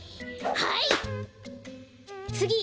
はい！